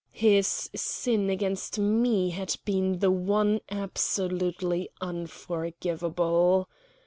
His sin against me had been the one absolutely unforgivable.